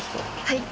はい。